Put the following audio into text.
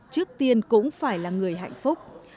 trước tiên cũng phải là người hạnh phúc